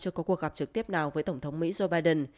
chưa có cuộc gặp trực tiếp nào với tổng thống mỹ joe biden